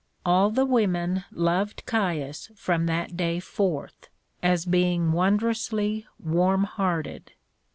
All the women loved Caius from that day forth, as being wondrously warm hearted.